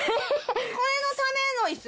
これのための椅子。